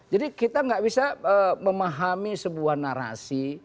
jadi kita gak bisa memahami sebuah narasi